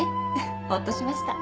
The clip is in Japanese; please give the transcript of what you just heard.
ほっとしました。